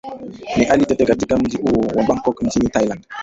ni hali tete katika mji huu wa bangkok nchini thailand